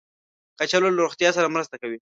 کچالو له روغتیا سره مرسته کوي